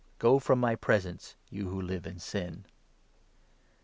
Go from my presence, you who live in sin.'